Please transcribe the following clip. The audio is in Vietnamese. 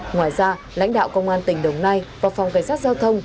ngoài ra lãnh đạo công an tỉnh đồng nai và phòng cảnh sát giao thông